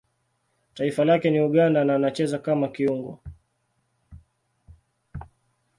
Taifa lake ni Uganda na anacheza kama kiungo.